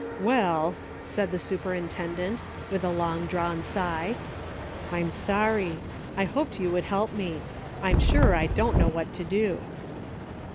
"Well," said the superintendent, with a long drawn sigh, " I'm sorry ; I hoped you would help me. I'm sure I don't know what to do."